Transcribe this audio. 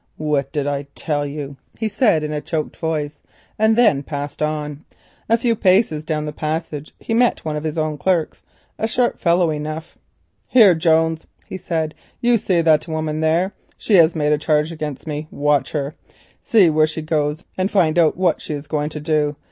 "What did I tell you?" he said in a choked voice, and then passed on. A few paces down the passage he met one of his own clerks, a sharp fellow enough. "Here, Jones," he said, "you see that woman there. She has made a charge against me. Watch her. See where she goes to, and find out what she is going to do.